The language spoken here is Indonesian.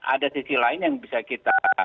ada sisi lain yang bisa kita